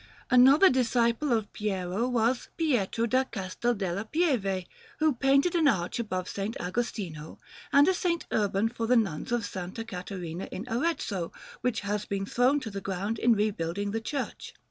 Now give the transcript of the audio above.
Another disciple of Piero was Pietro da Castel della Pieve, who painted an arch above S. Agostino, and a S. Urban for the Nuns of S. Caterina in Arezzo, which has been thrown to the ground in rebuilding the church.